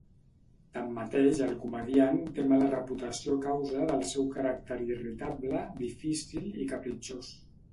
Tanmateix el comediant té mala reputació a causa del seu caràcter irritable, difícil i capritxós.